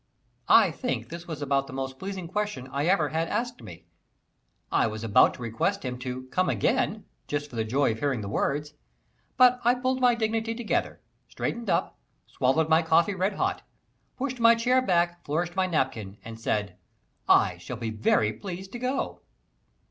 I think this was about the most pleasing question I ever had asked me. I was going to request him to "come again" just for the joy of hearing the words, but I pulled my dignity together, straightened up, swallowed my coffee red hot, pushed my chair back, flourished my napkin, and said, "I shall be very pleased to go."